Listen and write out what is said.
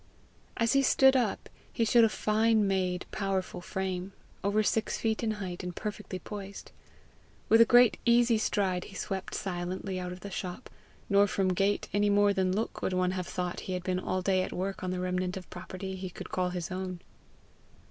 As he stood up, he showed a fine made, powerful frame, over six feet in height, and perfectly poised. With a great easy stride he swept silently out of the shop; nor from gait any more than look would one have thought he had been all day at work on the remnant of property he could call his own.